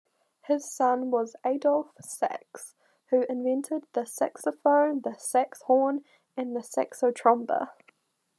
His son was Adolphe Sax who invented the saxophone, the saxhorn and the saxotromba.